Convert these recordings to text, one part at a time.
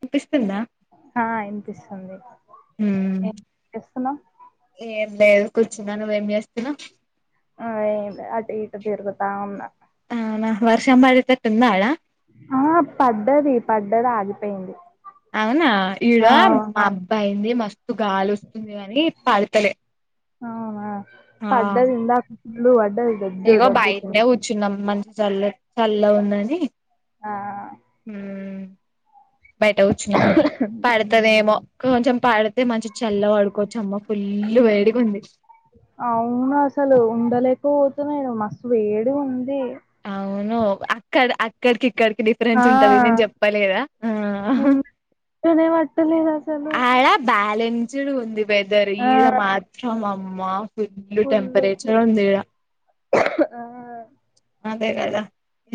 వినిపిస్తుందా ఆ ఇనిపిస్తుంది ఉమ్ ఏం చేస్తున్నావు ఏం లేదు కూర్చున్న నువ్వ ఏం చేస్తున్నవు ఆ ఏం లె అటు ఇటు తిరుగుతా ఉన్న అవునా వర్షము బడెటతట్టు ఉందా ఆడ ఆ పడ్డది పడ్డది ఆగిపేయింది అవునా ఈడ మబ్బయింది మస్తు గాలి ఓస్తుంది గాని పడతలే ఆవునా ఆ ఆ పడ్డది ఇందాక ఫుల్ వ ఇగో బయటన్నే గూచ్చున్నం మం చల్లటి చల్ల ఉందని ఆ ఊ బయట కూర్చున్నము ఉమ్ పడతదేమో కొంచెం పడు అయితే మంచి చల్ల వడుకోవచ్చు అమ్మ ఫుల్ వేడిగు ఉంది పోతుమో మేడం మస్తు వేడిగుంది అవును అక్కడ అక్కడకి ఇక్కడికి ఆ డిఫరెన్స్ ఉంటది నేను చెప్పలేద ఆ పట్టలేదసలు ఇంజుడు ఉంది వెదర్ ఈడ మాత్రం అమ్మా ఫుల్ ఫుల్లు టెంపరేచర్ ఉందీడ ఆ అదే గద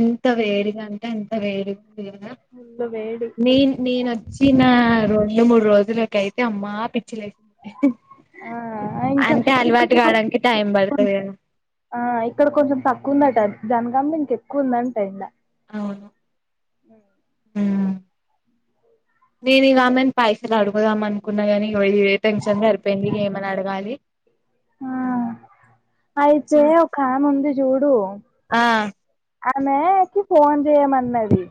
ఎంత వేడిగంటె అంత వేడిగు ఫుల్లు వేడి నీన్ నేన్ చ్చిన రెండు మూడు రోజులకైతే అమ్మా పిచ్చిలేసి ఆ ఇంకా అంటే అలవాటు ఇక్కడ కావడానికి టైం బడతది గద ఆ ఇక్కడ కొంచెం తక్కువ ఉందట జనగా ఇంకెక్కువ ఉందంట ఎండ అవును ఊ నేను ఇగ ఆమెను పైసలు అడుగుదామనుకున్న గాని ఇగో ఇదే టెన్షన్ సరిపేయింది ఇగ ఏమని అడగాలి ఆ అయితే ఒకామే ఉంది చూడు ఆ ఆమె కి ఫోన్ చేయమన్నది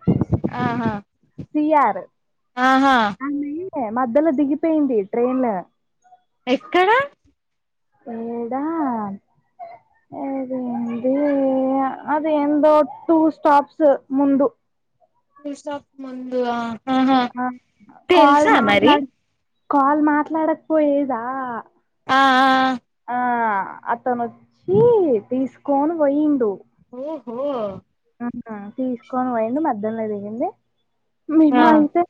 ఆహా సీఆర్ ఆహా మధ్యలో దిగిపోయింది ట్రైన్ ఎక్కడ ఏడా ఎ ఏంది అది ఏందో టూ స్టాప్స్ ముందు టు స్టాప్స్ ముందు ఆ ఆ కాల్ మాట్లాడ కాల్ మాట్లాడకపోయేదా ఆ ఆ ఆ ఆ అతను వచ్చి తీసుకొని పోయిండు. ఓహో అహా తీసుకోని పోయిండు మధ్యలో దిగింది మేము ఆ అయితే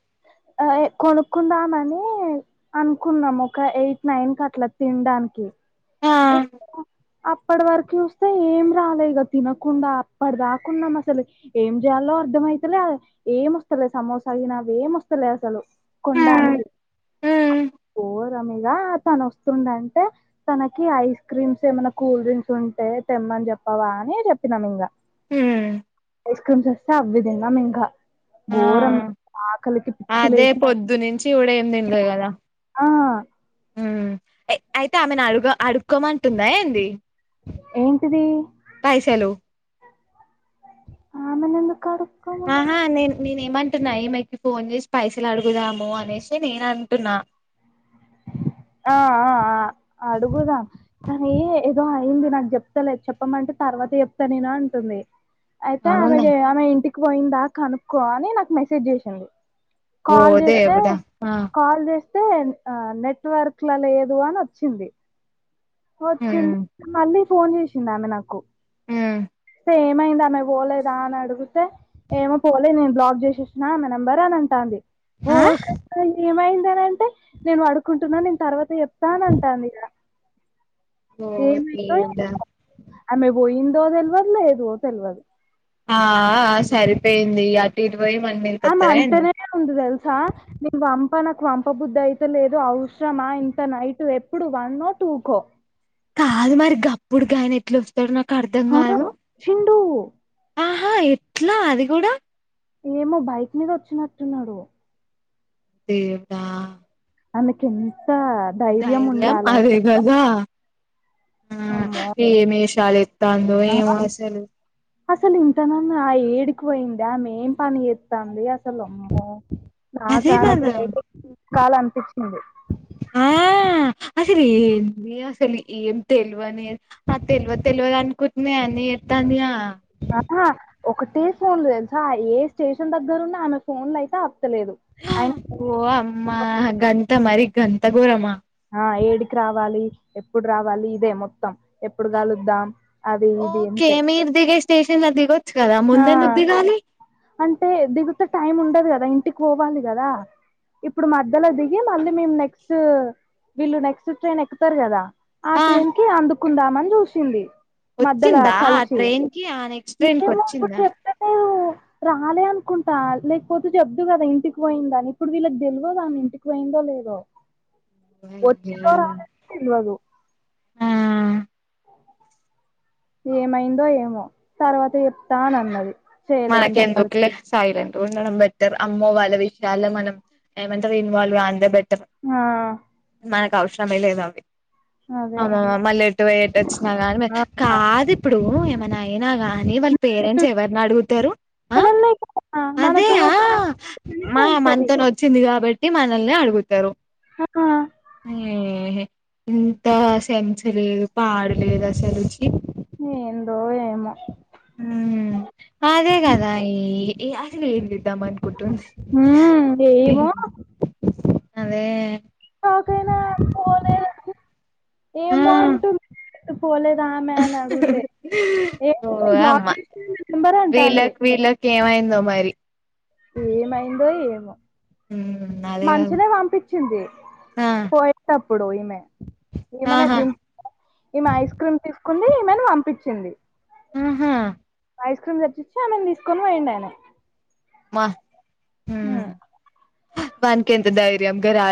ఆ ఏ కొనుక్కుందామని అనుకున్నాం ఒక ఎయిట్, నైన్ కట్లా తినడానికి ఆ ఇగ అప్పటి వరకు చూస్తే ఏం రాలే ఇగ తినకుండా అప్పడి దాకున్నాం అసలు ఏం జేయాలో? అర్థమయితలే ఏం వస్తలే సమోసా గినా ఏమ్ వస్తలే అసలు ఉమ్ కొనడానికి ఉమ్ గోరమిగా తను వస్తుండంటే తన కి ఐస్ క్రీమ్స్ ఏమైన్నా కూల్ డ్రింక్స్ ఉంటే తెమ్మని చెప్పావా అని జెప్పినాం ఇంగా ఉమ్ ఐస్ క్రీమ్స్ వస్తే అవి తిన్నాం ఇంగా ఆ ఘోరం ఆకలికి పిచ్చి లేసి తివుడు ఏం దిన్లే గదా ఆ మ్ ఎ అయితే ఆమెను అడుగ అడుకోమంటుందా ఏంది? ఏంటిది పైసలు ఆమె నెందు ఆహా నేను నేనే ఏమంటున్నా ఈమెకి ఫోన్ చేసి పైసలు అడుగుదాము అనేసి నేను అంటున్నా. [inaudible] ఆ ఆ ఆ అడుగుదాం కానీ ఏదో అయింది నాకు జేప్తలేదు చెప్పమంటే తర్వాత జెప్తానేను అంటుంది. అయితే అవునా ఆమెకి ఆమె ఇంటికి పోయిందా కనుక్కో అని నాకు మెసేజ్ జేసింది. ఓ కాల్ జేస్తే దేవుడా ఆ కాల్ జే తే ఆ నెట్వర్క్ ల లేదు అని వచ్చింది. వచ్చింది ఉమ్ మళ్ళీ ఫోన్ జేసింది ఆమె నాకు మ్ సో ఏమైంది ఆమె బోలేదా అని అడుగుతే? ఏమో పోలే నేను బ్లాక్ చేసేసిన ఆమె నంబర్ అని అంటాంది. ఓ ఆ గట్లా ఏమైందనంటే? నేను బడుకుంటున్నా, నేను తర్వాత చెప్తా అని అంటుంది ఇగ ఓ ఏమైతో దేవుడా ఆమె బోయిందో తెల్వదు, లేదో తెల్వదు ఆ ఆ సరిపోయింది ఇగ అటు ఇ ఆమె అంటనే ఉంది దెల్సా నేన్ పం ప నాకు పంపబుద్ధి అయితలేదు అవసరమా ఇంత నైట్ ఎప్పుడు వన్ నో, టూకో కాదు మరి గప్పుడు గాయన ఎట్లా వస్తడు నాకు అర్ధం గాదు. టూ ఆహా ఎట్లా అది గూడా ఏమో బైక్ మీద వచ్చినట్టున్నడు దేవుడా ఆయనకి ఎంత ధైర్యం ఉండాలి అదే అసలుకు కదా ఆ ఏమ్ యెషాలు ఏత్తందో ఆ ఏమో అసలు అసలు ఇంతనన్న ఆ యెడికి పోయింది. ఆమె ఏం పని జేస్తంది అసలు అమ్మో నాకు అదే ఆమెకు గదా డైరెక్ట్ తీసుకోవాలనిపించింది ఆ అసలు ఏంది అసలు ఏం తెలివని ఆ తెలివద్ తెలివద్ అనుకుంటనె అన్ని చేత్త తందిగా ఆహా ఒకటే ఫోన్లు తెల్సా ఏ స్టేషన్ దగ్గరున్నా ఆమె ఫోన్లు అయితె అప్ ఓ అమ్మా గంత మరి గంత గోరమ ఆ ఏడికి రావాలి ఎప్పుడు రావాలి ఇదే మొత్తం ఎప్పుడు కలుద్దాం అది ఇది ఓకే అంతే మీరు దిగే స్టేషన్ ల దిగొచ్చు కదా ముందెందుకు ఆ దిగాలి అంటే దిగుతె టైమ్ ఉండద్ కదా ఇంటికి పోవాలి గదా ఇప్పుడు మధ్యల దిగి మళ్ళీ మేము నెక్స్ట్ వీళ్ళు నెక్స్ట్ ట్రైన్ ఎక్కుతారు కదా ఆ ట్రైన్ కి అందుకుందామని చూసింది మధ్యల వచ్చిందా ఆ కలిషి ట్రైన్ కి ఆ నెక్స్ట్ ట్రైన్ కి వచ్చిందా రాలే అనుకుంటా లేకపోతే జబ్దు కదా ఇంటికి పోయిందాని ఇప్పుడు వీళ్ళక్ దెల్వాద్ ఆమె ఇంటికి పోయిందో లేదో వచ్చిందో రాలేదో తెల్వదు ఆ ఏమైందో ఏమో తర్వాత చెప్తా అనన్నది మనకెందుకులే సయిరన్ ఉండడం బెటర్ అమ్మో వాళ్ళ విషయాల మనం ఏమంటర్ ఇన్వాల్వ్ కాందే బె ఆ ఔష్రామేలేదావి అదే అమ్మో మళ్ళీ ఎటుపోయేటచ్చినా కాని మే ఆ కాదు ఇప్పుడు మన అయినా గాని వాళ పేరెంట్స్ ఎవరిని అడుగు తారు అ మనల్నే కదా అదే మనతోని ఆ వచ్చింది మనకే మా అయితది మనతోన్ వచ్చింది కాబట్టి మనల్నే అడుగుతారు ఆ ఏహే ఇంత సెన్స్ లేదు పాడ్లేదు అసలు చి ఎందో ఏమో ఉమ్ అదే గదా ఈ అసలు ఎ ద్దమనుకుంటుంది హ్మ్ ఏమో అదే షాకైనా పోలేదని ఆ ఎటుపోలే ఆమె అనడుగుతే ఏ ఓ అమ్మ బ్లాక్ చేసిన నెంబర్ అంటంది వీళ్ళకి వీళ్ళకి ఏమైందో మరి ఏమైందో ఏమో అదే కదా మంచినే పంపించింది ఆ పోయేటప్పుడు ఈమె ఈమనే ఆహా దిం ఈమె ఐస్ క్రీమ్ తీసుకుంది ఈమెను పంపించింది ఆహా ఐస్ క్రీమ్ దెచ్చిచ్చి ఆమేను తీసుకొని పోయిండు అయినే వ ఆ వానికెంత ధైర్యం గా రా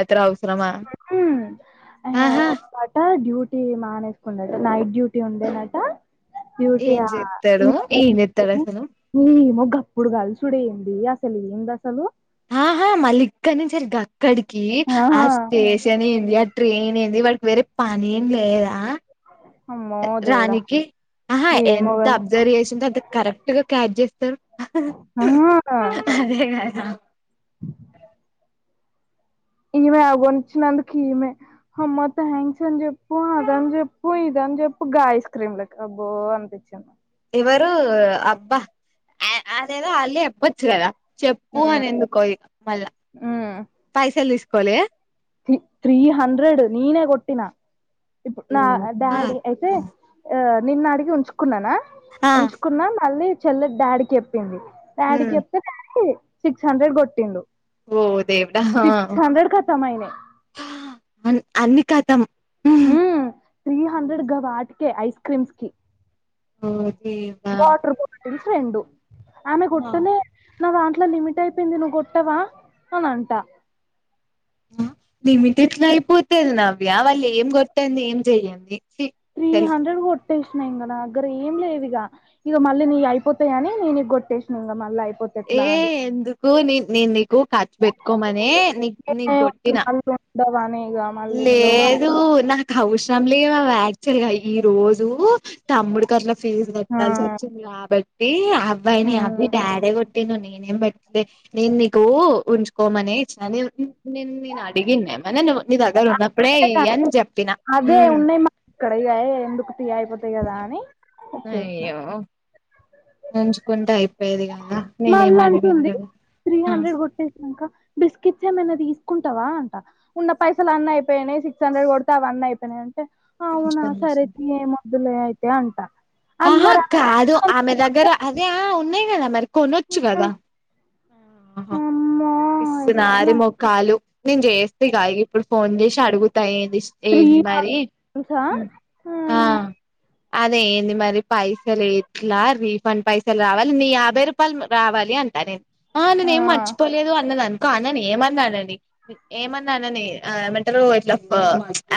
ఆహా ఆ ట డ్యూ టి మానేసుకుందట నైట్ డ్యూటీ ఉందనట ఏం డ్యూటియా చెప్తాడు ఏం చెప్తాడు అసలు ఏమో గప్పుడు కలుసుడె అసలు ఏందసలు ఆహా మళ్ళీ ఇక్కడినుంచెల్లి గక్కడికి ఆ ఆస్ స్టేషన్ ఏందీ ట్రైన్ ఏంది వాడికి వేరే పనెం లేదా అమ్మో దేవుడా రానికి ఆహా ఏమో ఎంత కదా అబ్జర్వ్ చేసింటే అంత కరెక్ట్ గా క్యాజ్ చేస్ ఆ అదే కదా నేన్ కూడ అవి కోనిచ్చినందుకె ఇమె హమ్మ థాంక్స్ అని చెప్పు అదని చెప్పు అని చెప్పు గా ఐస్ క్రీమ్ లక ఆబో అనిపించ ఇవరు అబ్బ అదేద ఆలె చెప్పుచు కదా చెప్పు హ్మ్ అని ఎందుకో ఇ మళ్ళ పైసలు తీసుకపోలే తీ త్రీ హండ్రెడ్ నినే కొట్టిన ఇప్నా డాడీ అయితే ఆ నిన్న అడిగి ఉంచుకున్నానా ఆ ఉంచుకున్నా మళ్ళీ చెల్లె డాడీకి చెప్పింది డాడీకి ఉమ్ చెప్తే డాడీ సిక్స్ హండ్రెడ్ కొట్టిండు ఓ దేవుడా సిక్స్ హండ్రెడ్ కతం అయినాయ్ అన్ అన్ని కతం ఉ త్రీ హండ్రెడ్ గ వాటికే ఐస్ క్రీమ్స్ కె ఓ దేవా వాటర్ బోటిల్స్ రెండు ఆమె ఆ గొట్టలే నా దాన్ ట్ల లిమిట్ అయిపోయింది నువ్ కొట్టవా అని అంట లిమిట్ ఎట్ల అయిపోతది నవ్యా వాళ్ళు ఏం కొట్టంది ఏం చెయ్యంది ఛీ త్రీ అసలు హండ్రెడ్ కోట్ కొట్టేసిన ఇంగ నా దగ్గర ఏం లెవ్ ఇగ ఇగ మళ్ళీ నీ అయిపోతాయని నేనే కొట్టేసినా ఇంగ మళ్ళీ అయిపో ఏ ఎందుకు నీ నే నీకు ఖర్చు పెట్టుకోమనే నీ నీకు కొట్టినా భవానే లేదు నాకు అవసరం లేవవి యాక్చువల్గా ఈ రోజు తమ్ముడికి అట్లా ఫీజ్ ఆ కట్టాల్సి వచ్చింది కాబట్టి అబ్బాయిని అబ్ హ్మ్ డాడే కొట్టిను నేనేం బెట్లే నేను నీకు ఉంచుకోమని అ నేను నేను అడిగిన్న నువ్ నీ దగ్గర ఉన్నప్పుడే ఇయ్యని చెప్ అదే ఉన్నాయి మా ఇక్కడ ఇగ ఎందుకు తీ అయిపోతాయి కదా అని వచ్చేసిన అయ్యో ఉంచుకుంటే అయిపోయేది గా మల్ల అంటుంది త్రీ ఆ హండ్రెడ్ కొట్టేసాక బిస్కెట్స్ ఏమైనా తీసుకుంటావా అంట ఉన్న పైసలు అన్న అయిపోయానాయి సిక్స్ హండ్రెడ్ కొడితే అవన్ని అయిపోయినాయి మంచి అవునా పని సరే చేసినవ్ తీ ఎమ్మొదులే అయితే అంట అన్ ఆహా మరి ఆమె కాదు పైసలతోని ఆమె దగ్గర అదే ఆ ఉన్నాయి కదా మరి కొనొచ్చు కదా అమ్మో ఎట్లా పిస్సినారి మొఖాలు నేను చేస్తే ఇగ ఇప్పుడు ఫోన్ చేసి అడుగుతా ఏ త్రీ ఏంటి మరి తెలుసా ఆ అదే ఏంది మా ది పైసలు ఎట్లా రిఫండ్ పైసలు రావాలి నీ యాభై రూపాయలు రావాలి అంటా నేను ఆ నేనేం మర్చిపోలేదు అన్నదన్ క అనని ఏమన్నానని ఏమన్నానని ఆ ఏమంటరు ఇట్ల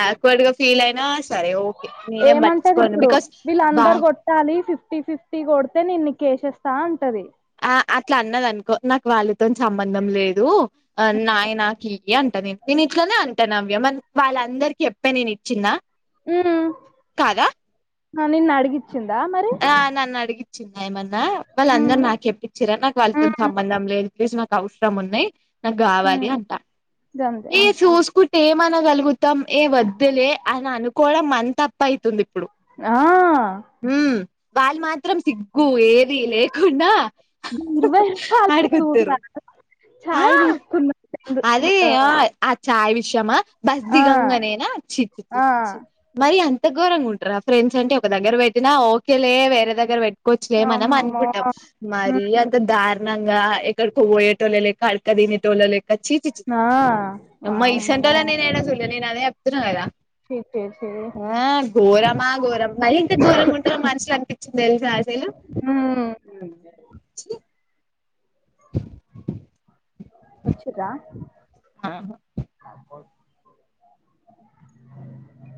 ఆక్వార్డ్ గా ఫీల్ ఫీల్ అయినా సరే ఓకే నేనే పట్టిచుకోను బికాస్ బా ట్టాలి ఫిఫ్టీ ఫిఫ్టీ కొడితే నేన్న కేేసేస్తా అంటది అట్ల అన్నదనుకో నాకు వాళ్ళతోన్ సంబంధం లేదు అ ఉ నాయి నాకి అంటది నెన్ ఇట్లనే అన్ నవ్య మన్ వాళ్ళందరికి ఎప్పే నేను ఇచ్చిందా ఉ నిన్న అడిగిచ్చిందా మరి చిన్న ఏమన్నా వాళ్ళ ఉమ్ అందరు నాకు చెప్పి ఇచ్చిరా నాకు వాళ్ళతోని ఉమ్ సంబంధం లేదు అట్లీస్ నాకు అవసరం ఉన్నాయ్ నాకు కావాలి హ్మ్ అంటా గంతే ఏ అవును సుస్ కున్ ఏమనగలుగుతాం ఏ వద్దులే అని అనుకోవడం మన తప్పయితుంది ఆ వాళ్ మాత్రం సిగ్గు ఏది లేకుండా ఈ ఇరవై రూపాలకే అడుగుతురు సూత్తాన్న ఛాయ్ తీస్కున్న. అదీ ఆ ఆ ఛాయ్ విషయమా బస్ దిగంగనేనా చి చి చి ఆ చి మరి అంత ఘోరంగ ఉంటన్రా ఫ్రెండ్స్ అంటే ఒక దగ్గర పెట్టినా ఓకేలే వేరే దగ్గర పెట్ కోవచ్చులే ఆ మనం అమ్మో అనుకుంటాం. మరి హ్మ్ అంత దారుణంగా ఎక్కడికో పోయేటోల్ల లె క్క అడక్క తినేటోళ్ల లెక్క చీ చి చి ఆ అమ్మ వామ్మో ఇసన్టోలన్ నేనే ఏడ చూ లే నేన్ అదే చెప్తున్న కదా నీ పేర్ ఆ ఘోరమా ఘోరం మరీ ఇంత ఘోరగుంటర మనుషులు అనిపిచ్చింది తెల్సా అసలు హ్మ్ చి వచ్చింరా? ఆహ క్యాంపస్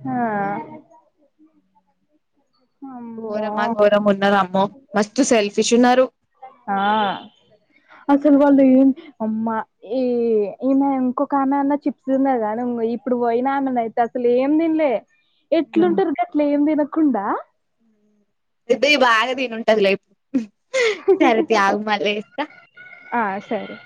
హా ఘోరమా ఘోరమున్నర్ అమ్మో మస్త్ సెల్ఫీష్ ఉన్నరు. ఆ అసలు వాళ్ళు ఏం అమ్మా ఈ ఈమె ఇంకొక ఆమె అన్న చిప్స్ తిన్నదిగానే ఇగో ఇప్పుడు పోయినామె నైతే అసల్ ఏం తిన్లే ఎట్లుంటరు గట్లేం తినకుండా రితి బాగా తినుంటదిలె సరేతి అగు మళ్ళ చేస్తా ఆ సరే